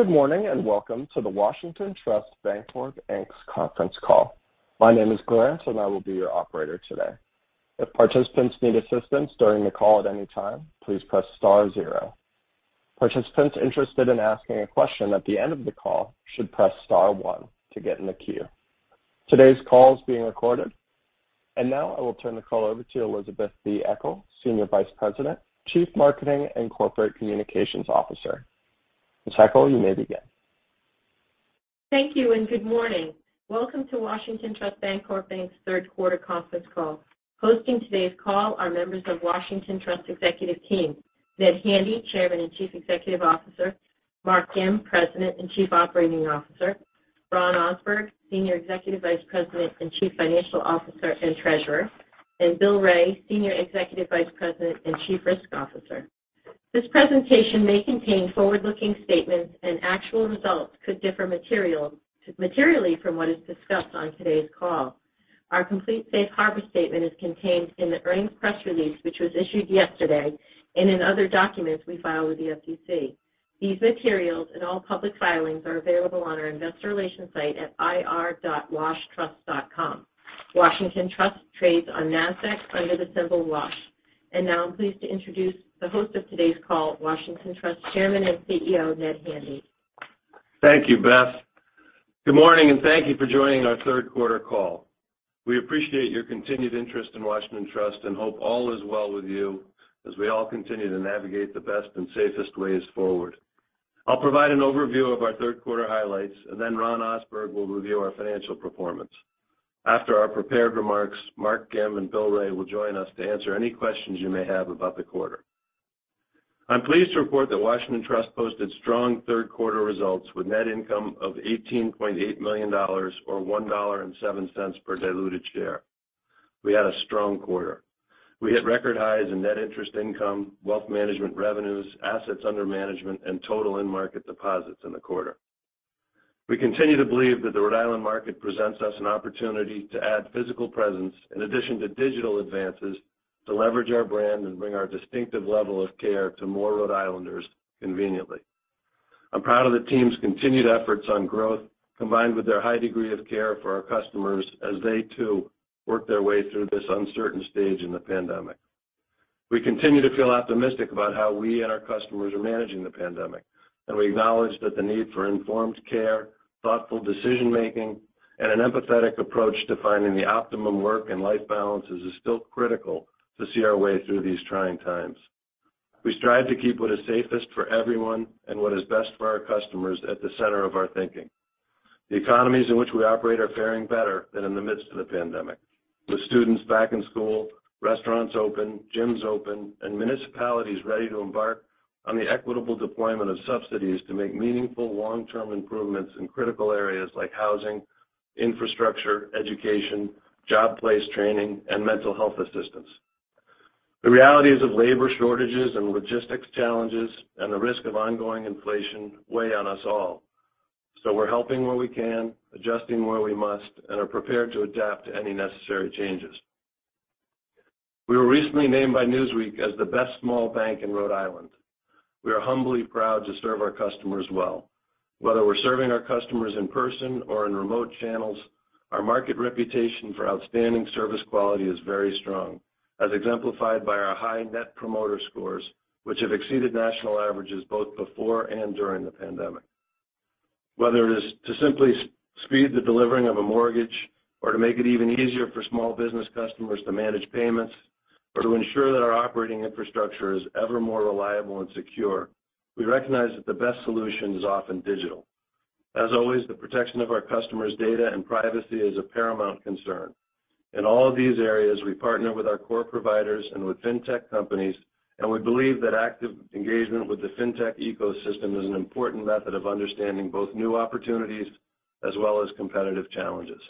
Good morning, and welcome to the Washington Trust Bancorp, Inc.'s conference call. My name is Grant, and I will be your operator today. If participants need assistance during the call at any time, please press star zero. Participants interested in asking a question at the end of the call should press star one to get in the queue. Today's call is being recorded. Now I will turn the call over to Elizabeth B. Eckel, Senior Vice President, Chief Marketing and Corporate Communications Officer. Ms. Eckel, you may begin. Thank you, and good morning. Welcome to Washington Trust Bancorp, Inc.'s third quarter conference call. Hosting today's call are members of Washington Trust executive team, Ned Handy, Chairman and Chief Executive Officer, Mark Gim, President and Chief Operating Officer, Ron Ohsberg, Senior Executive Vice President and Chief Financial Officer and Treasurer, and Bill Wray, Senior Executive Vice President and Chief Risk Officer. This presentation may contain forward-looking statements, and actual results could differ materially from what is discussed on today's call. Our complete safe harbor statement is contained in the earnings press release, which was issued yesterday, and in other documents we file with the SEC. These materials and all public filings are available on our investor relations site at ir.washtrust.com. Washington Trust trades on NASDAQ under the symbol WASH. Now I'm pleased to introduce the host of today's call, Washington Trust Chairman and CEO, Ned Handy. Thank you, Beth. Good morning, and thank you for joining our third quarter call. We appreciate your continued interest in Washington Trust, and hope all is well with you as we all continue to navigate the best and safest ways forward. I'll provide an overview of our third quarter highlights, and then Ron Ohsberg will review our financial performance. After our prepared remarks, Mark Gim and Bill Wray will join us to answer any questions you may have about the quarter. I'm pleased to report that Washington Trust posted strong third quarter results with net income of $18.8 million or $1.07 per diluted share. We had a strong quarter. We hit record highs in net interest income, wealth management revenues, assets under management, and total end-market deposits in the quarter. We continue to believe that the Rhode Island market presents us an opportunity to add physical presence in addition to digital advances to leverage our brand and bring our distinctive level of care to more Rhode Islanders conveniently. I'm proud of the team's continued efforts on growth, combined with their high degree of care for our customers as they too work their way through this uncertain stage in the pandemic. We continue to feel optimistic about how we and our customers are managing the pandemic, and we acknowledge that the need for informed care, thoughtful decision-making, and an empathetic approach to finding the optimum work and life balances is still critical to see our way through these trying times. We strive to keep what is safest for everyone and what is best for our customers at the center of our thinking. The economies in which we operate are faring better than in the midst of the pandemic, with students back in school, restaurants open, gyms open, and municipalities ready to embark on the equitable deployment of subsidies to make meaningful long-term improvements in critical areas like housing, infrastructure, education, workplace training, and mental health assistance. The realities of labor shortages and logistics challenges and the risk of ongoing inflation weigh on us all. We're helping where we can, adjusting where we must, and are prepared to adapt to any necessary changes. We were recently named by Newsweek as the best small bank in Rhode Island. We are humbly proud to serve our customers well. Whether we're serving our customers in person or in remote channels, our market reputation for outstanding service quality is very strong, as exemplified by our high Net Promoter Score, which has exceeded national averages both before and during the pandemic. Whether it is to simply speed the delivery of a mortgage or to make it even easier for small business customers to manage payments or to ensure that our operating infrastructure is ever more reliable and secure, we recognize that the best solution is often digital. As always, the protection of our customers' data and privacy is of paramount concern. In all of these areas, we partner with our core providers and with fintech companies, and we believe that active engagement with the fintech ecosystem is an important method of understanding both new opportunities as well as competitive challenges.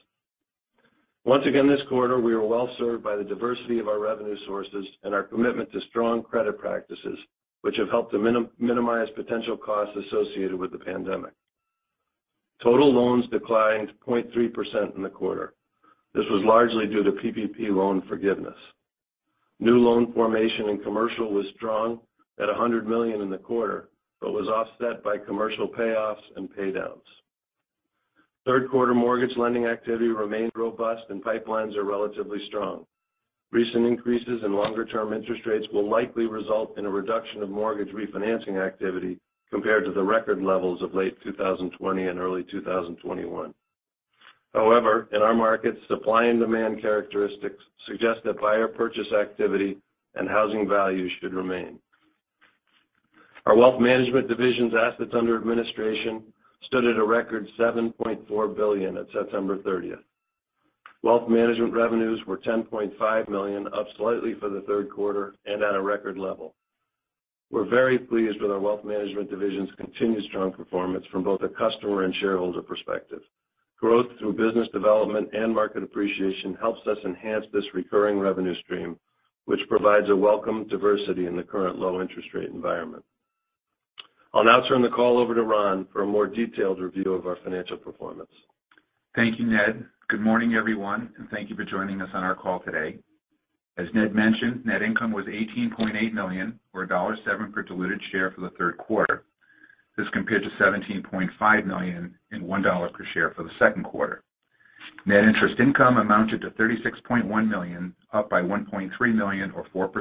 Once again this quarter, we were well-served by the diversity of our revenue sources and our commitment to strong credit practices, which have helped to minimize potential costs associated with the pandemic. Total loans declined 0.3% in the quarter. This was largely due to PPP loan forgiveness. New loan formation in commercial was strong at $100 million in the quarter, but was offset by commercial payoffs and pay downs. Third quarter mortgage lending activity remained robust and pipelines are relatively strong. Recent increases in longer-term interest rates will likely result in a reduction of mortgage refinancing activity compared to the record levels of late 2020 and early 2021. However, in our markets, supply and demand characteristics suggest that buyer purchase activity and housing values should remain. Our wealth management division's assets under administration stood at a record $7.4 billion at September 30. Wealth management revenues were $10.5 million, up slightly for the third quarter and at a record level. We're very pleased with our wealth management division's continued strong performance from both a customer and shareholder perspective. Growth through business development and market appreciation helps us enhance this recurring revenue stream, which provides a welcome diversity in the current low interest rate environment. I'll now turn the call over to Ron for a more detailed review of our financial performance. Thank you, Ned. Good morning, everyone, and thank you for joining us on our call today. As Ned mentioned, net income was $18.8 million or $1.07 per diluted share for the third quarter. This compared to $17.5 million and $1 per share for the second quarter. Net interest income amounted to $36.1 million, up by $1.3 million or 4%.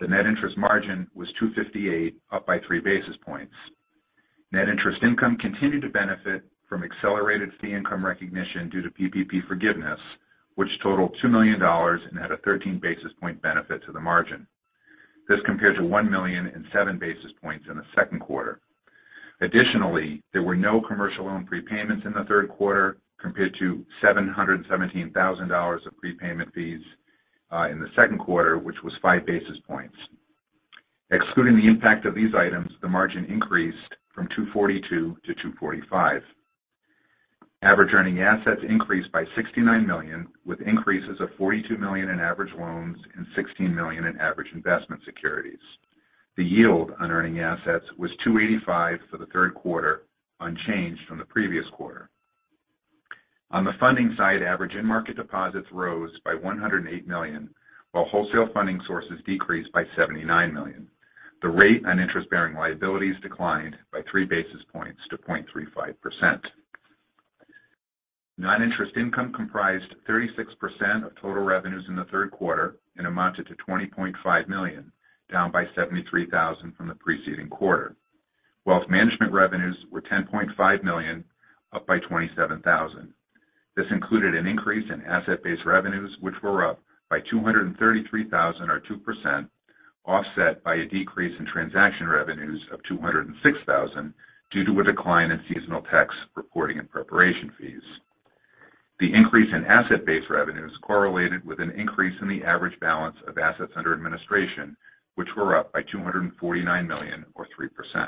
The net interest margin was 2.58%, up by 3 basis points. Net interest income continued to benefit from accelerated fee income recognition due to PPP forgiveness, which totaled $2 million and had a 13 basis point benefit to the margin. This compared to $1 million and 7 basis points in the second quarter. Additionally, there were no commercial loan prepayments in the third quarter compared to $717,000 of prepayment fees in the second quarter, which was 5 basis points. Excluding the impact of these items, the margin increased from 2.42% to 2.45%. Average earning assets increased by $69 million, with increases of $42 million in average loans and $16 million in average investment securities. The yield on earning assets was 2.85% for the third quarter, unchanged from the previous quarter. On the funding side, average in-market deposits rose by $108 million, while wholesale funding sources decreased by $79 million. The rate on interest-bearing liabilities declined by 3 basis points to 0.35%. Non-interest income comprised 36% of total revenues in the third quarter and amounted to $20.5 million, down by $73,000 from the preceding quarter. Wealth management revenues were $10.5 million, up by $27,000. This included an increase in asset-based revenues, which were up by $233,000 or 2%, offset by a decrease in transaction revenues of $206,000 due to a decline in seasonal tax reporting and preparation fees. The increase in asset-based revenues correlated with an increase in the average balance of assets under administration, which were up by $249 million or 3%.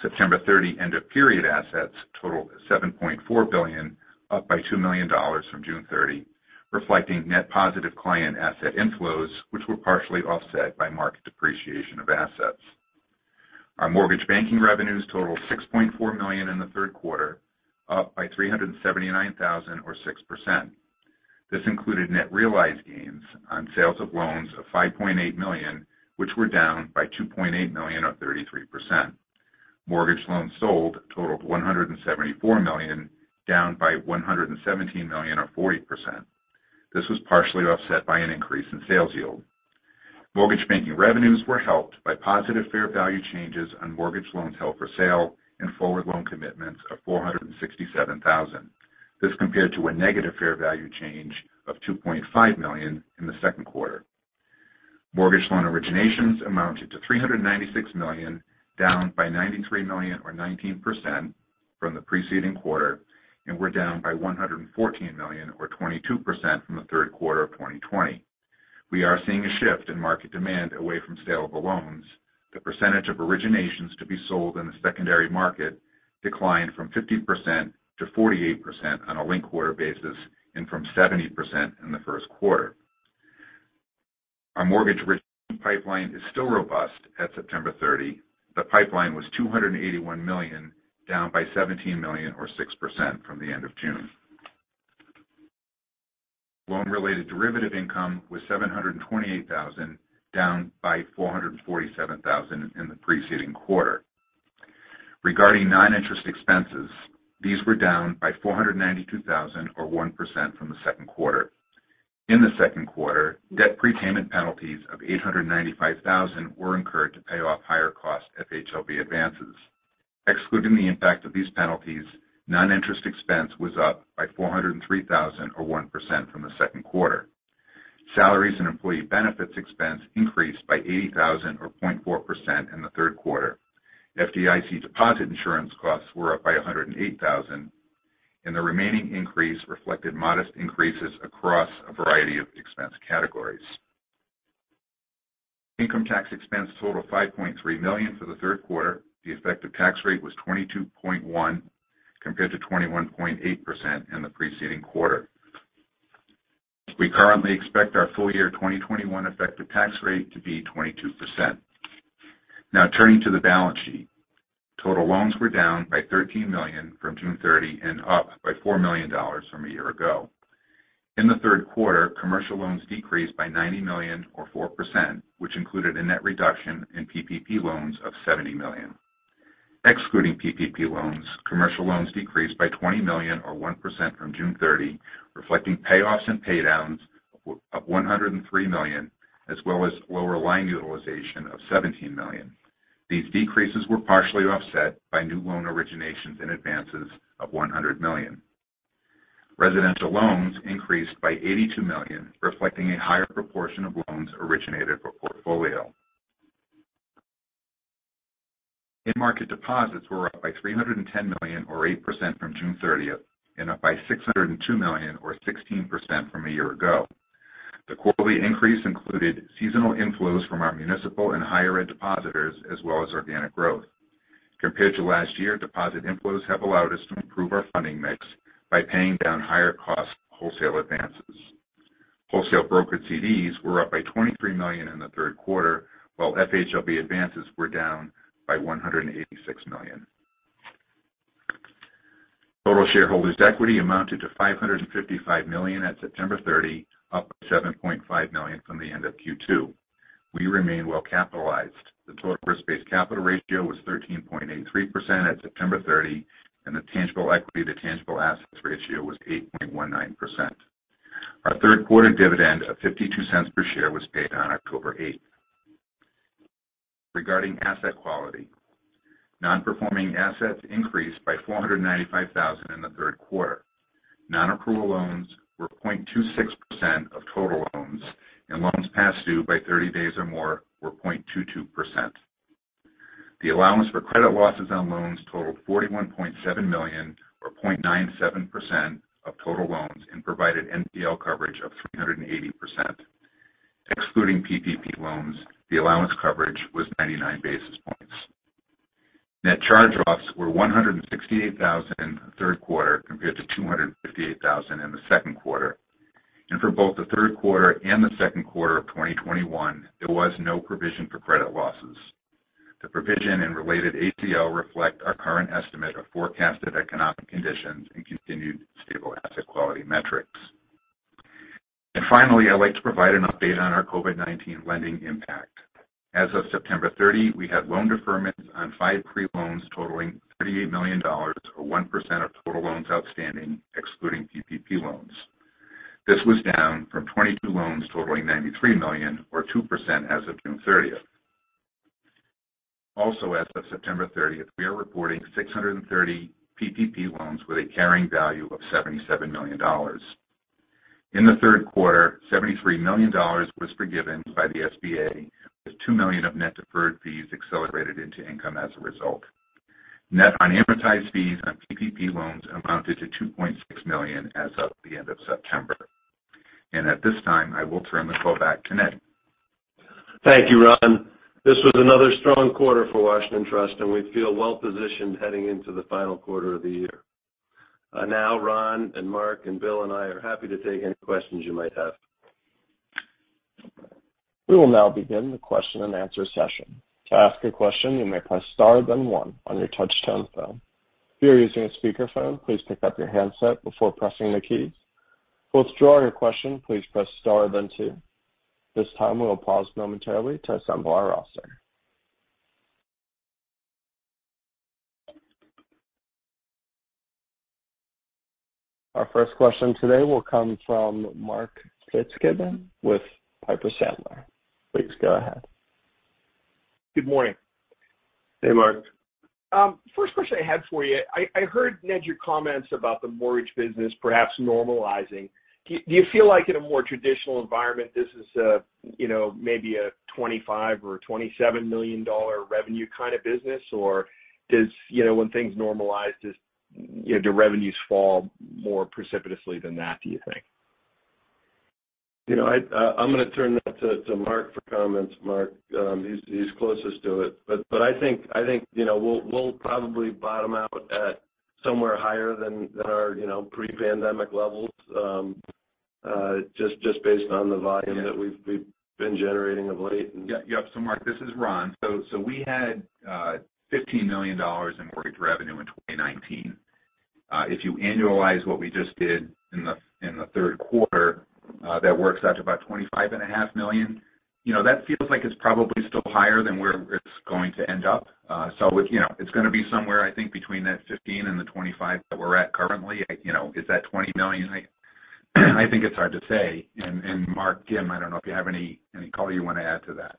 September 30 end-of-period assets totaled $7.4 billion, up by $2 million from June 30, reflecting net positive client asset inflows, which were partially offset by market depreciation of assets. Our mortgage banking revenues totaled $6.4 million in the third quarter, up by $379,000 or 6%. This included net realized gains on sales of loans of $5.8 million, which were down by $2.8 million or 33%. Mortgage loans sold totaled $174 million, down by $117 million or 40%. This was partially offset by an increase in sales yield. Mortgage banking revenues were helped by positive fair value changes on mortgage loans held for sale and forward loan commitments of $467,000. This compared to a negative fair value change of $2.5 million in the second quarter. Mortgage loan originations amounted to $396 million, down by $93 million or 19% from the preceding quarter, and were down by $114 million or 22% from the third quarter of 2020. We are seeing a shift in market demand away from saleable loans. The percentage of originations to be sold in the secondary market declined from 50%-48% on a linked-quarter basis and from 70% in the first quarter. Our mortgage risk pipeline is still robust at September 30. The pipeline was $281 million, down by $17 million or 6% from the end of June. Loan-related derivative income was $728,000, down by $447,000 in the preceding quarter. Regarding non-interest expenses, these were down by $492,000 or 1% from the second quarter. In the second quarter, debt prepayment penalties of $895,000 were incurred to pay off higher cost FHLB advances. Excluding the impact of these penalties, non-interest expense was up by $403,000 or 1% from the second quarter. Salaries and employee benefits expense increased by $80 thousand or 0.4% in the third quarter. FDIC deposit insurance costs were up by $108 thousand, and the remaining increase reflected modest increases across a variety of expense categories. Income tax expense totaled $5.3 million for the third quarter. The effective tax rate was 22.1% compared to 21.8% in the preceding quarter. We currently expect our full year 2021 effective tax rate to be 22%. Now turning to the balance sheet. Total loans were down by $13 million from June 30 and up by $4 million from a year ago. In the third quarter, commercial loans decreased by $90 million or 4%, which included a net reduction in PPP loans of $70 million. Excluding PPP loans, commercial loans decreased by $20 million or 1% from June 30, reflecting payoffs and pay downs of $103 million, as well as lower line utilization of $17 million. These decreases were partially offset by new loan originations and advances of $100 million. Residential loans increased by $82 million, reflecting a higher proportion of loans originated for portfolio. In-market deposits were up by $310 million or 8% from June 30th and up by $602 million or 16% from a year ago. The quarterly increase included seasonal inflows from our municipal and higher ed depositors as well as organic growth. Compared to last year, deposit inflows have allowed us to improve our funding mix by paying down higher cost wholesale advances. Wholesale brokered CDs were up by $23 million in the third quarter, while FHLB advances were down by $186 million. Total shareholders equity amounted to $555 million at September 30, up $7.5 million from the end of Q2. We remain well capitalized. The total risk-based capital ratio was 13.83% at September 30, and the tangible equity to tangible assets ratio was 8.19%. Our third quarter dividend of 15% per share was paid on October 8. Regarding asset quality, non-performing assets increased by $495,000 in the third quarter. Non-accrual loans were 0.26% of total loans, and loans past due by 30 days or more were 0.22%. The allowance for credit losses on loans totaled $41.7 million or 0.97% of total loans and provided NPL coverage of 380%. Excluding PPP loans, the allowance coverage was 99 basis points. Net charge-offs were $168,000 in the third quarter compared to $258,000 in the second quarter. For both the third quarter and the second quarter of 2021, there was no provision for credit losses. The provision and related ACL reflect our current estimate of forecasted economic conditions and continued stable asset quality metrics. Finally, I'd like to provide an update on our COVID-19 lending impact. As of September 30, we had loan deferments on 5 CRE loans totaling $38 million or 1% of total loans outstanding, excluding PPP loans. This was down from 22 loans totaling $93 million or 2% as of June 30. Also as of September 30, we are reporting 630 PPP loans with a carrying value of $77 million. In the third quarter, $73 million was forgiven by the SBA, with $2 million of net deferred fees accelerated into income as a result. Net unamortized fees on PPP loans amounted to $2.6 million as of the end of September. At this time, I will turn the call back to Ned. Thank you, Ron. This was another strong quarter for Washington Trust, and we feel well positioned heading into the final quarter of the year. Now Ron and Mark and Bill and I are happy to take any questions you might have. We will now begin the question and answer session. To ask a question, you may press star then one on your touch-tone phone. If you are using a speakerphone, please pick up your handset before pressing the keys. To withdraw your question, please press star then two. This time, we will pause momentarily to assemble our roster. Our first question today will come from Mark Fitzgibbon with Piper Sandler. Please go ahead. Good morning. Hey, Mark. First question I had for you. I heard, Ned, your comments about the mortgage business perhaps normalizing. Do you feel like in a more traditional environment, this is a, you know, maybe a $25 million or a $27 million revenue kind of business? Or does, you know, when things normalize, you know, do revenues fall more precipitously than that, do you think? You know, I'm gonna turn that to Mark for comments. Mark, he's closest to it. I think you know we'll probably bottom out at somewhere higher than our you know pre-pandemic levels just based on the volume that we've been generating of late. Mark, this is Ron. We had $15 million in mortgage revenue in 2019. If you annualize what we just did in the third quarter, that works out to about $25.5 million. You know, that feels like it's probably still higher than where it's going to end up. So it's, you know, it's gonna be somewhere, I think, between that $15 million and the $25 million that we're at currently. You know, is that $20 million? I think it's hard to say. Mark, again, I don't know if you have any color you want to add to that.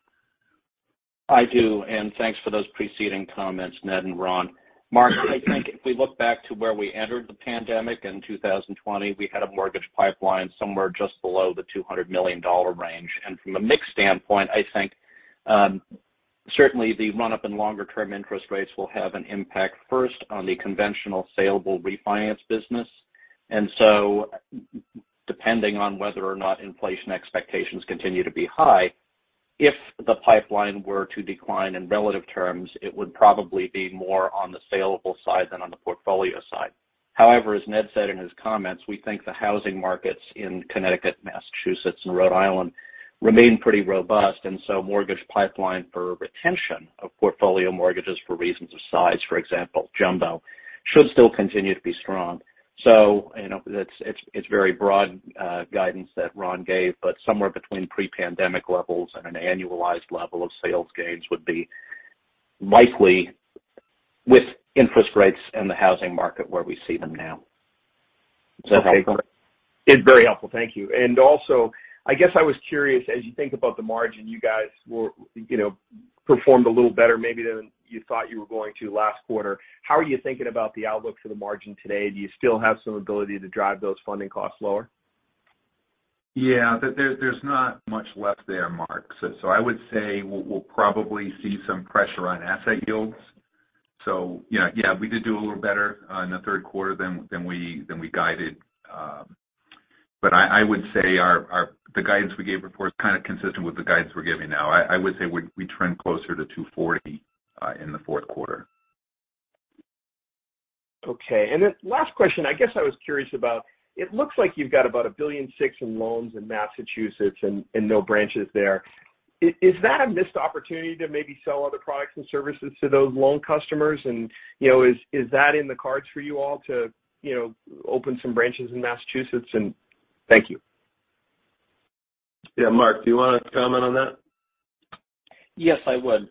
I do, and thanks for those preceding comments, Ned and Ron. Mark, I think if we look back to where we entered the pandemic in 2020, we had a mortgage pipeline somewhere just below the $200 million range. From a mix standpoint, I think, certainly the run-up in longer-term interest rates will have an impact first on the conventional saleable refinance business. Depending on whether or not inflation expectations continue to be high, if the pipeline were to decline in relative terms, it would probably be more on the saleable side than on the portfolio side. However, as Ned said in his comments, we think the housing markets in Connecticut, Massachusetts, and Rhode Island remain pretty robust. Mortgage pipeline for retention of portfolio mortgages for reasons of size, for example, jumbo, should still continue to be strong. You know, it's very broad guidance that Ron gave, but somewhere between pre-pandemic levels and an annualized level of sales gains would be likely with interest rates in the housing market where we see them now. Does that help? It's very helpful. Thank you. Also, I guess I was curious, as you think about the margin, you guys were, you know, performed a little better maybe than you thought you were going to last quarter. How are you thinking about the outlook for the margin today? Do you still have some ability to drive those funding costs lower? Yeah. There's not much left there, Mark. I would say we'll probably see some pressure on asset yields. Yeah, we did do a little better in the third quarter than we guided. I would say the guidance we gave before is kind of consistent with the guidance we're giving now. I would say we trend closer to 240 in the fourth quarter. Okay. Last question, I guess I was curious about, it looks like you've got about $1.6 billion in loans in Massachusetts and no branches there. Is that a missed opportunity to maybe sell other products and services to those loan customers? You know, is that in the cards for you all to, you know, open some branches in Massachusetts? Thank you. Yeah. Mark, do you wanna comment on that? Yes, I would.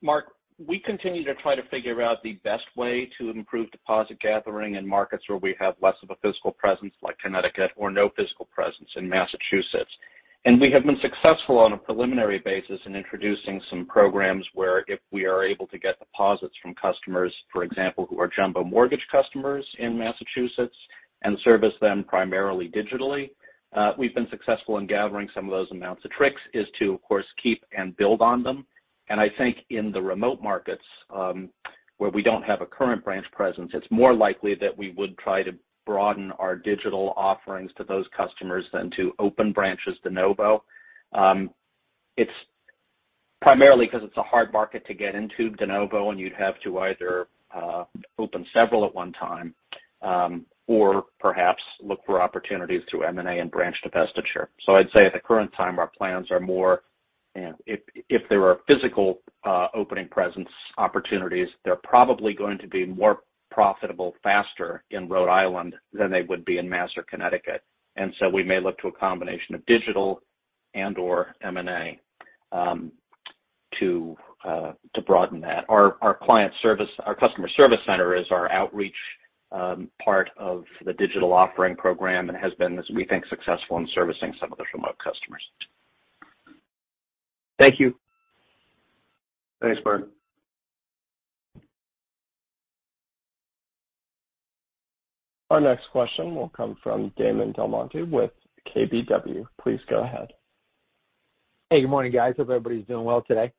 Mark, we continue to try to figure out the best way to improve deposit gathering in markets where we have less of a physical presence, like Connecticut, or no physical presence in Massachusetts. We have been successful on a preliminary basis in introducing some programs where if we are able to get deposits from customers, for example, who are jumbo mortgage customers in Massachusetts and service them primarily digitally, we've been successful in gathering some of those amounts. The trick is to, of course, keep and build on them. I think in the remote markets, where we don't have a current branch presence, it's more likely that we would try to broaden our digital offerings to those customers than to open branches de novo. It's primarily 'cause it's a hard market to get into de novo, and you'd have to either open several at one time or perhaps look for opportunities through M&A and branch divestiture. I'd say at the current time, our plans are more, you know, if there are physical opening presence opportunities, they're probably going to be more profitable faster in Rhode Island than they would be in Mass or Connecticut. We may look to a combination of digital and/or M&A to broaden that. Our customer service center is our outreach part of the digital offering program and has been, as we think, successful in servicing some of those remote customers. Thank you. Thanks, Mark. Our next question will come from Damon DelMonte with KBW. Please go ahead. Hey, good morning, guys. Hope everybody's doing well today.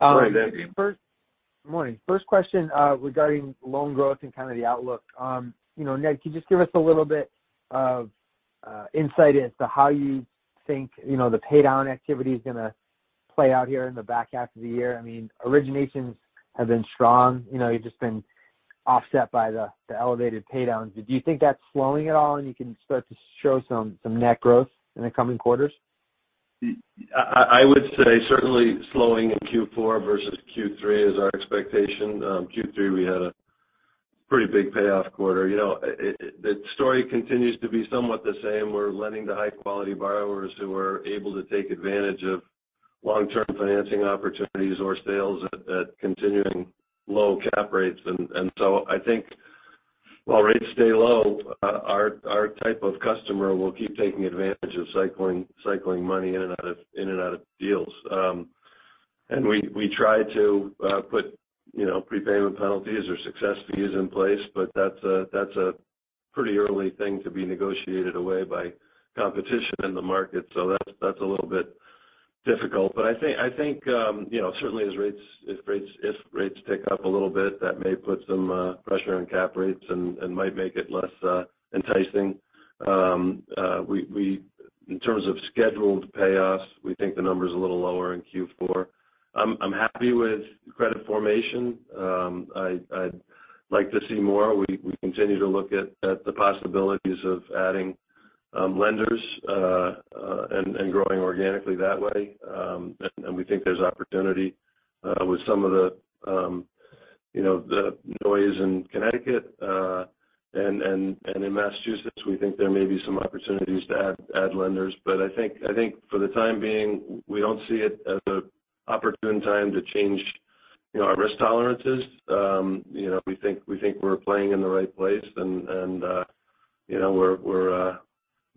Morning, Damon. First question regarding loan growth and kind of the outlook. You know, Ned, can you just give us a little bit of insight as to how you think, you know, the pay down activity is gonna play out here in the back half of the year? I mean, originations have been strong. You know, you've just been offset by the elevated pay downs. Do you think that's slowing at all and you can start to show some net growth in the coming quarters? I would say certainly slowing in Q4 versus Q3 is our expectation. Q3 we had a pretty big payoff quarter. You know, the story continues to be somewhat the same. We're lending to high quality borrowers who are able to take advantage of long-term financing opportunities or sales at continuing low cap rates. I think while rates stay low, our type of customer will keep taking advantage of cycling money in and out of deals. We try to put you know, prepayment penalties or success fees in place, but that's a pretty early thing to be negotiated away by competition in the market. That's a little bit difficult. I think, you know, certainly as rates if rates tick up a little bit, that may put some pressure on cap rates and might make it less enticing. We, in terms of scheduled payoffs, think the number's a little lower in Q4. I'm happy with credit formation. I'd like to see more. We continue to look at the possibilities of adding lenders and growing organically that way. We think there's opportunity, with some of the, you know, the noise in Connecticut and in Massachusetts, we think there may be some opportunities to add lenders. I think for the time being, we don't see it as an opportune time to change, you know, our risk tolerances. You know, we think we're playing in the right place and you know,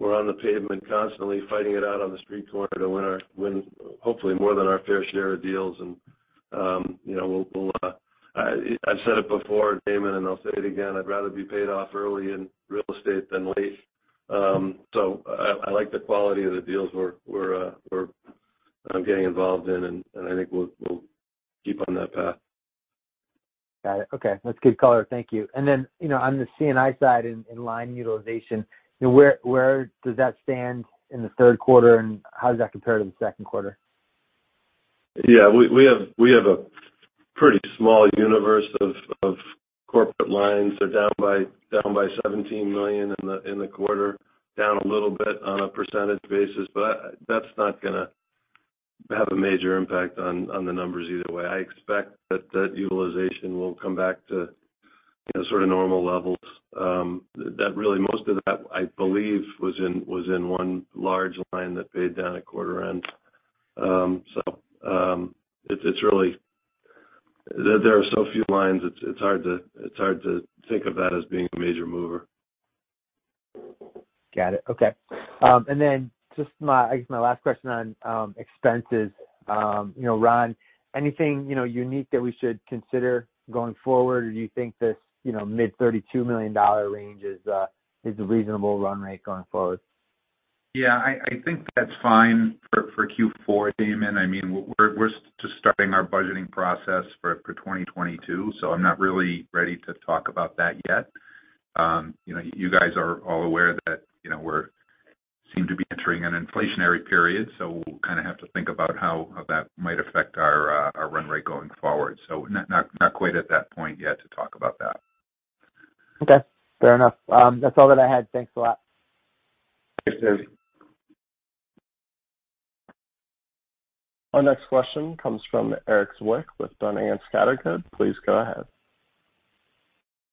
we're on the pavement constantly fighting it out on the street corner to win, hopefully more than our fair share of deals. You know, I've said it before, Damon, and I'll say it again. I'd rather be paid off early in real estate than late. I like the quality of the deals we're getting involved in, and I think we'll keep on that path. Got it. Okay. That's a good color. Thank you. Then, you know, on the C&I side in line utilization, you know, where does that stand in the third quarter, and how does that compare to the second quarter? Yeah. We have a pretty small universe of corporate lines. They're down by $17 million in the quarter, down a little bit on a percentage basis. That's not gonna have a major impact on the numbers either way. I expect that utilization will come back to, you know, sort of normal levels. That really, most of that I believe was in one large line that paid down at quarter end. It's really. There are so few lines, it's hard to think of that as being a major mover. Got it. Okay. Just my, I guess my last question on expenses. You know, Ron, anything you know unique that we should consider going forward? Do you think this, you know, mid-$32 million range is a reasonable run rate going forward? Yeah. I think that's fine for Q4, Damon. I mean, we're just starting our budgeting process for 2022, so I'm not really ready to talk about that yet. You know, you guys are all aware that, you know, we're seem to be entering an inflationary period, so we'll kind of have to think about how that might affect our run rate going forward. Not quite at that point yet to talk about that. Okay, fair enough. That's all that I had. Thanks a lot. Thanks, Damon. Our next question comes from Erik Zwick with Boenning & Scattergood. Please go ahead.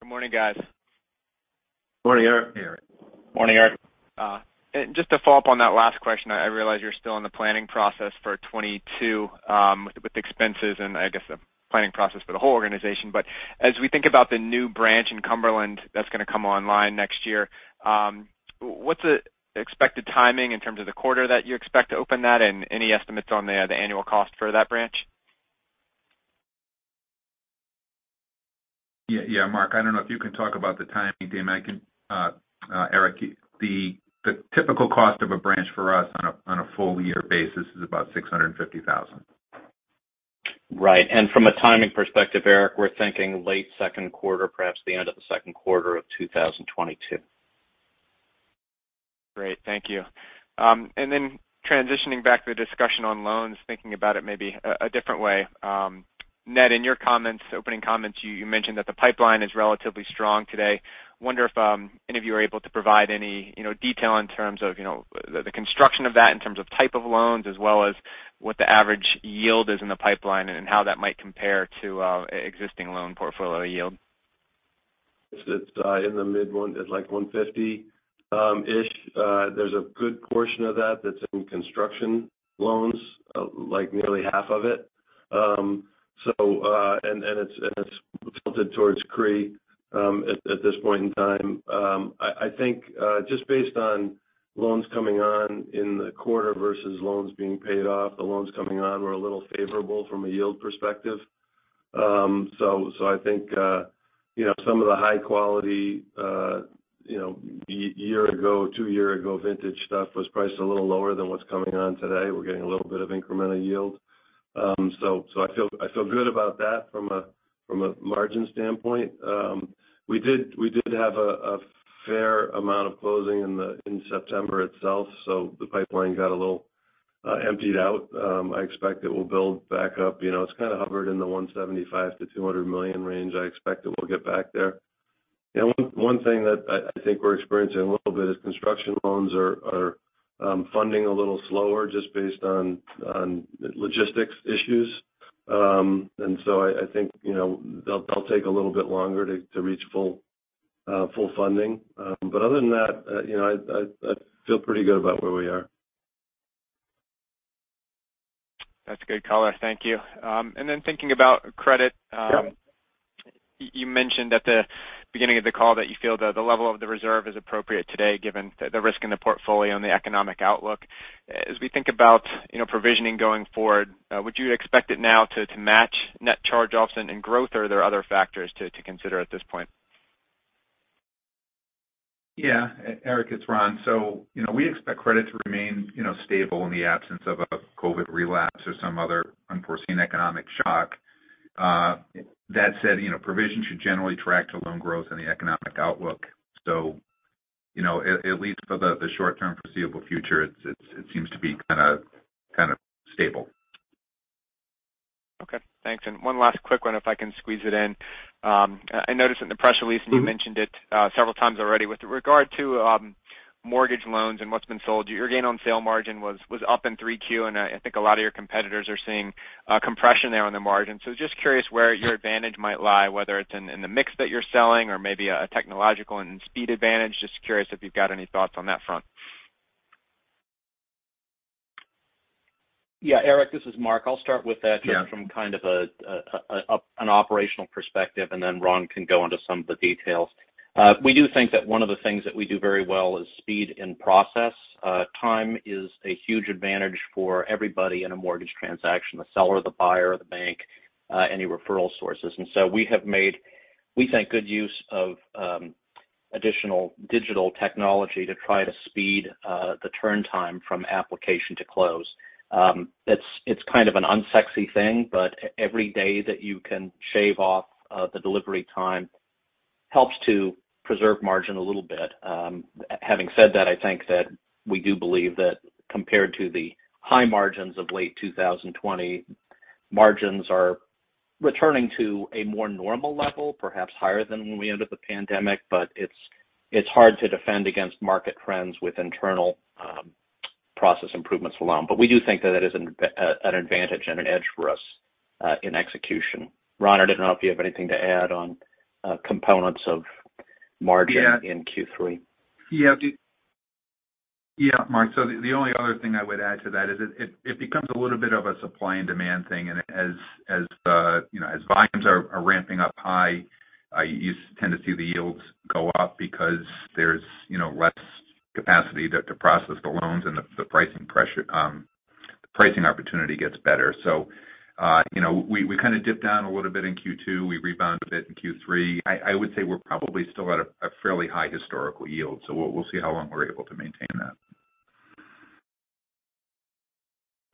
Good morning, guys. Morning, Erik. Morning, Erik. Just to follow up on that last question, I realize you're still in the planning process for 2022 with expenses and I guess the planning process for the whole organization. But as we think about the new branch in Cumberland that's gonna come online next year, what's the expected timing in terms of the quarter that you expect to open that, and any estimates on the annual cost for that branch? Yeah, Mark, I don't know if you can talk about the timing, and I can, Erik. The typical cost of a branch for us on a full year basis is about $650,000. Right. From a timing perspective, Erik, we're thinking late second quarter, perhaps the end of the second quarter of 2022. Great. Thank you. Transitioning back to the discussion on loans, thinking about it maybe a different way. Ned, in your comments, opening comments, you mentioned that the pipeline is relatively strong today. I wonder if any of you are able to provide any, you know, detail in terms of, you know, the construction of that in terms of type of loans as well as what the average yield is in the pipeline and how that might compare to existing loan portfolio yield? It's in the mid one. It's like 1.50 ish. There's a good portion of that that's in construction loans, like nearly half of it. It's tilted towards CRE at this point in time. I think just based on loans coming on in the quarter versus loans being paid off, the loans coming on were a little favorable from a yield perspective. I think you know some of the high quality you know year ago two year ago vintage stuff was priced a little lower than what's coming on today. We're getting a little bit of incremental yield. I feel good about that from a margin standpoint. We did have a fair amount of closing in September itself, so the pipeline got a little emptied out. I expect it will build back up. You know, it's kind of hovered in the $175 million-$200 million range. I expect it will get back there. You know, one thing that I think we're experiencing a little bit is construction loans are funding a little slower just based on logistics issues. I think, you know, they'll take a little bit longer to reach full funding. Other than that, you know, I feel pretty good about where we are. That's a good color. Thank you. Thinking about credit, Yeah. You mentioned at the beginning of the call that you feel the level of the reserve is appropriate today given the risk in the portfolio and the economic outlook. As we think about, you know, provisioning going forward, would you expect it now to match net charge-offs and growth, or are there other factors to consider at this point? Yeah. Erik, it's Ron. You know, we expect credit to remain, you know, stable in the absence of a COVID relapse or some other unforeseen economic shock. That said, you know, provision should generally track to loan growth and the economic outlook. You know, at least for the short term foreseeable future, it seems to be kinda stable. Okay. Thanks. One last quick one if I can squeeze it in. I noticed in the press release, and you mentioned it several times already, with regard to mortgage loans and what's been sold, your gain on sale margin was up in 3Q, and I think a lot of your competitors are seeing compression there on the margin. Just curious where your advantage might lie, whether it's in the mix that you're selling or maybe a technological and speed advantage. Just curious if you've got any thoughts on that front. Yeah, Erik, this is Mark. I'll start with that. Yeah... just from kind of an operational perspective, and then Ron can go into some of the details. We do think that one of the things that we do very well is speed in process. Time is a huge advantage for everybody in a mortgage transaction, the seller, the buyer, the bank, any referral sources. We have made, we think, good use of additional digital technology to try to speed the turn time from application to close. It's kind of an unsexy thing, but every day that you can shave off the delivery time helps to preserve margin a little bit. Having said that, I think that we do believe that compared to the high margins of late 2020, margins are returning to a more normal level, perhaps higher than when we entered the pandemic. It's hard to defend against market trends with internal process improvements alone. We do think that is an advantage and an edge for us in execution. Ron, I don't know if you have anything to add on components of margin. Yeah in Q3. Yeah, Mark. The only other thing I would add to that is it becomes a little bit of a supply and demand thing. As you know, as volumes are ramping up high, you tend to see the yields go up because there's you know, less capacity to process the loans and the pricing pressure, the pricing opportunity gets better. You know, we kind of dipped down a little bit in Q2. We rebounded a bit in Q3. I would say we're probably still at a fairly high historical yield. We'll see how long we're able to maintain that.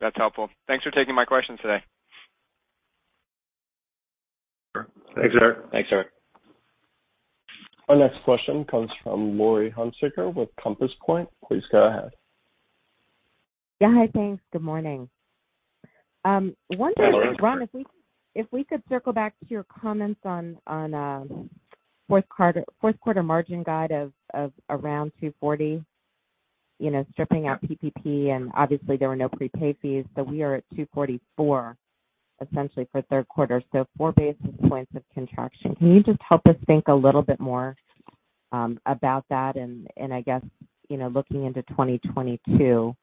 That's helpful. Thanks for taking my questions today. Thanks, Erik. Thanks, Erik. Our next question comes from Laurie Hunsicker with Compass Point. Please go ahead. Yeah. Hi, thanks. Good morning. Wondering, Ron, if we could circle back to your comments on fourth quarter margin guide of around 2.40, you know, stripping out PPP, and obviously there were no prepay fees. So we are at 2.44, essentially for third quarter. So four basis points of contraction. Can you just help us think a little bit more about that? I guess, you know, looking into 2022,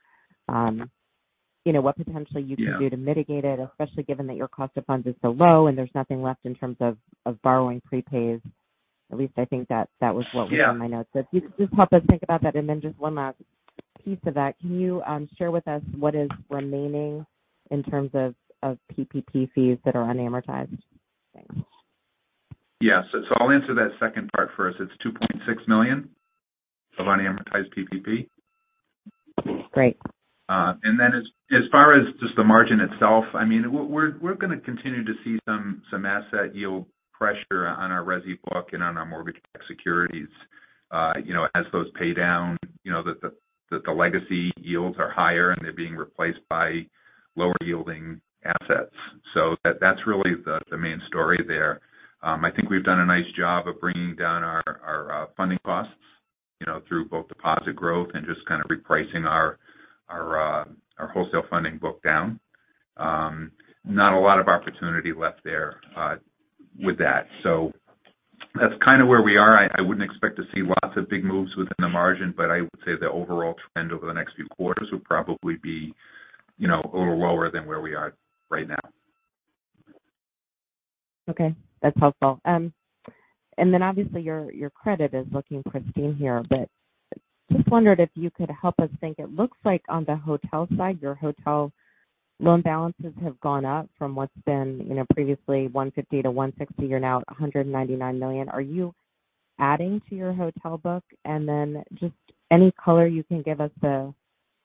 you know, what potentially you can do to mitigate it, especially given that your cost of funds is so low and there's nothing left in terms of borrowing prepays. At least I think that was what was in my notes. But if you could just help us think about that, and then just one last piece of that. Can you share with us what is remaining in terms of PPP fees that are unamortized? Thanks. Yes. I'll answer that second part first. It's $2.6 million of unamortized PPP. Great. As far as just the margin itself, I mean, we're gonna continue to see some asset yield pressure on our resi book and on our mortgage-backed securities. You know, as those pay down, you know, the legacy yields are higher and they're being replaced by lower yielding assets. That's really the main story there. I think we've done a nice job of bringing down our funding costs, you know, through both deposit growth and just kind of repricing our wholesale funding book down. Not a lot of opportunity left there with that. That's kind of where we are. I wouldn't expect to see lots of big moves within the margin, but I would say the overall trend over the next few quarters would probably be, you know, a little lower than where we are right now. Okay. That's helpful. Obviously your credit is looking pristine here, but just wondered if you could help us think. It looks like on the hotel side, your hotel loan balances have gone up from what's been, you know, previously $150 million to $160 million, you're now $199 million. Are you adding to your hotel book? Just any color you can give us on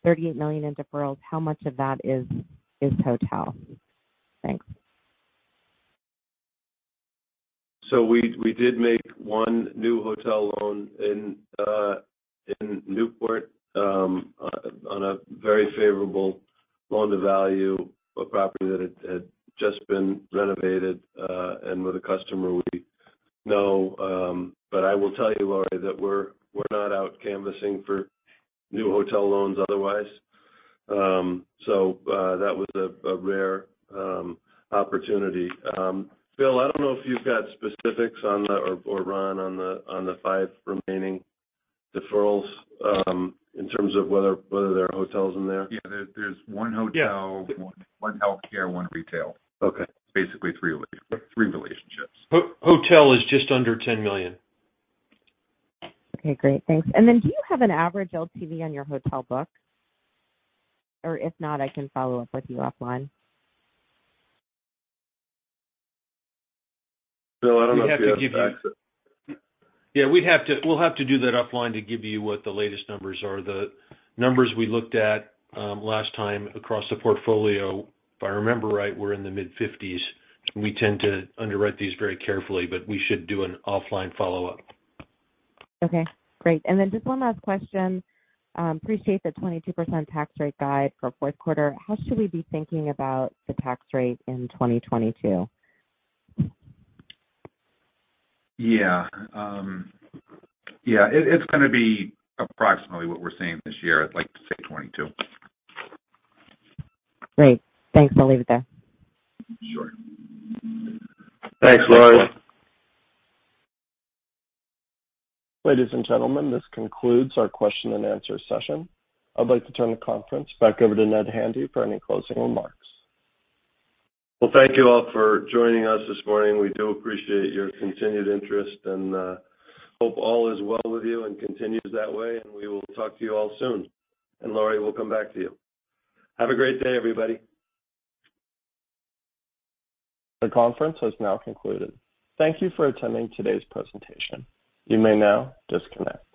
the $38 million in deferrals. How much of that is hotel? Thanks. We did make one new hotel loan in Newport on a very favorable loan to value a property that had just been renovated and with a customer we know. I will tell you, Laurie, that we're not out canvassing for new hotel loans otherwise. That was a rare opportunity. Bill, I don't know if you've got specifics on Ron on the five remaining deferrals in terms of whether there are hotels in there. Yeah. There's one hotel. Yeah. One healthcare, one retail. Okay. Basically three relationships. Hotel is just under $10 million. Okay, great. Thanks. Do you have an average LTV on your hotel book? Or if not, I can follow up with you offline. Bill, I don't know if you have. Yeah, we'll have to do that offline to give you what the latest numbers are. The numbers we looked at last time across the portfolio, if I remember right, were in the mid-50s. We tend to underwrite these very carefully, but we should do an offline follow-up. Okay, great. Just one last question. I appreciate the 22% tax rate guide for fourth quarter. How should we be thinking about the tax rate in 2022? Yeah. Yeah. It's gonna be approximately what we're seeing this year at like 622. Great. Thanks. I'll leave it there. Sure. Thanks, Laurie. Ladies and gentlemen, this concludes our question and answer session. I'd like to turn the conference back over to Ned Handy for any closing remarks. Well, thank you all for joining us this morning. We do appreciate your continued interest, and hope all is well with you and continues that way. We will talk to you all soon. Laurie, we'll come back to you. Have a great day, everybody. The conference has now concluded. Thank you for attending today's presentation. You may now disconnect.